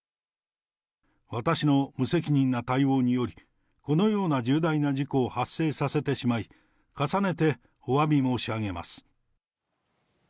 私の無責任な対応により、このような重大な事故を発生させてしまい、重ねておわび申し上げます。